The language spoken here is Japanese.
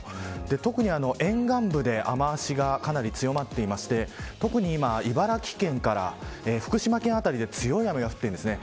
特に沿岸部で雨脚がかなり強まっていて特に今、茨城県から福島県辺りで強い雨が降っているんですね。